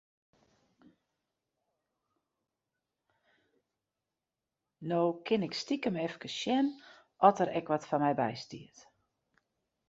No kin ik stikem efkes sjen oft der ek wat foar my by stiet.